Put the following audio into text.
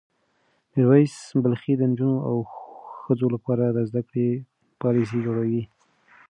میر ویس بلخي د نجونو او ښځو لپاره د زده کړې پالیسۍ جوړوي.